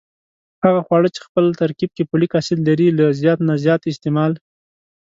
هغه خواړه چې خپل ترکیب کې فولک اسید لري له زیات نه زیات استعمال